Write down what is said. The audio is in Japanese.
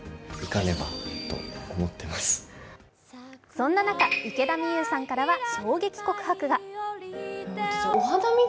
そんな中、池田美優さんからは衝撃告白が。